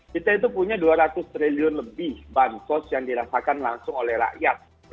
kita itu punya dua ratus triliun lebih bansos yang dirasakan langsung oleh rakyat